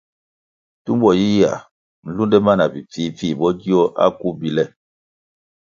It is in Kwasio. Tumbo yiyia nlunde ma bi pfihpfih bo gio akubile.